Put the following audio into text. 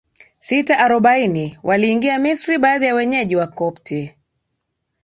sita arobaini waliingia Misri Baadhi ya wenyeji Wakopti